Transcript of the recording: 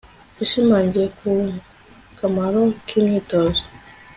yashimangiye ku kamaro k'imyitozo